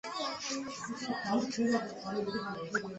贝尔曼先后在布鲁克林学院和威斯康星大学学习数学。